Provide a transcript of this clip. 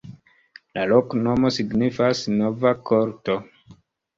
La loknomo signifas: nova-korto.